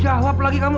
jawab lagi kamu